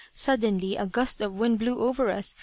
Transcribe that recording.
Suddenly, a gust of wind blew over us.